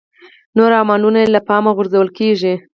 نور عاملونه یې له پامه غورځول کېږي.